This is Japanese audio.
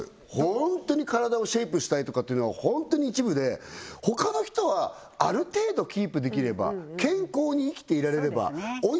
ホントに体をシェイプしたいとかっていうのはホントに一部で他の人はある程度キープできれば健康に生きていられればそうですね